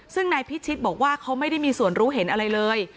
ซึ่งนายพิชิตบอกว่าเขาไม่ได้มีส่วนรู้เห็นอะไรเลย